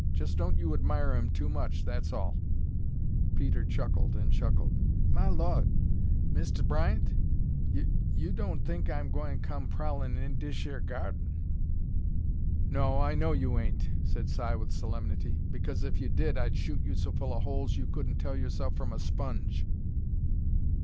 Just don't you admire 'em too much, that's all." Peter chuckled and chuckled. "Ma Lode! Mist' Bryant, y y you don' think I'm gwine come prowlin' in dish yer gawden?" "No, I know you hain't," said Si, with solemnity. "B'cause, if you did, I'd shoot you so full of holes you couldn't tell yourself from a sponge."